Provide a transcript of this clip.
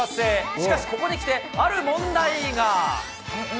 しかし、ここにきてある問題が。